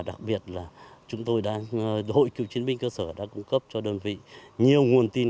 đặc biệt là chúng tôi hội cựu chiến binh cơ sở đã cung cấp cho đơn vị nhiều nguồn tin